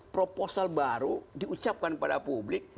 proposal baru diucapkan pada publik